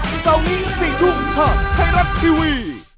สัปดาห์นี้๔ทุ่งท่าไทยรักทีวี